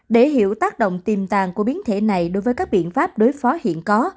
để hiểu tác động tiềm tàng của biến thể này đối với các biện pháp đối phó hiện có